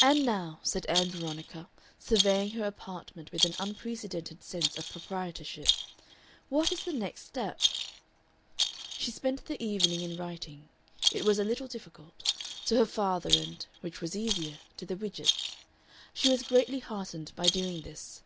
"And now," said Ann Veronica surveying her apartment with an unprecedented sense of proprietorship, "what is the next step?" She spent the evening in writing it was a little difficult to her father and which was easier to the Widgetts. She was greatly heartened by doing this.